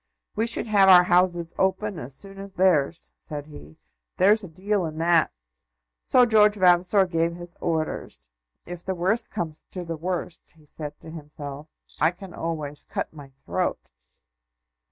"We should have our houses open as soon as theirs," said he. "There's a deal in that." So George Vavasor gave his orders. "If the worst comes to the worst," he said to himself, "I can always cut my throat."